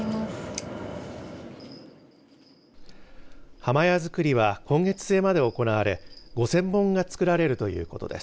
破魔矢づくりは今月末まで行われ５０００本が作られるということです。